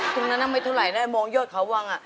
ตรงนั้นน่ะไม่เท่าไรน่ะมองยอดขาวังอ่ะ